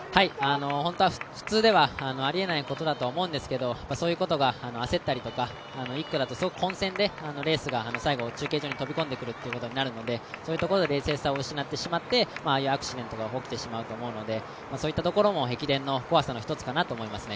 本当は普通ではありえないことだと思うんですけどそういうことが焦ったりとか１区だと混戦でレースの最後に中継所に飛び込んでくることになるので、そういうところで冷静さを失ってしまってああいうアクシデントが起きてしまうのでそういったところも駅伝の怖さの一つかなと思いますね。